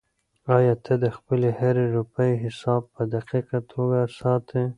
آیا ته د خپلې هرې روپۍ حساب په دقیقه توګه ساتې؟